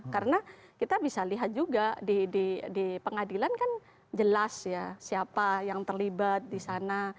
karena kita bisa lihat juga di pengadilan kan jelas ya siapa yang terlibat disana